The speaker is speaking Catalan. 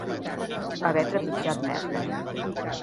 Haver trepitjat merda.